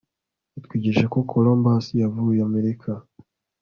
Yatwigishije ko Columbus yavumbuye Amerika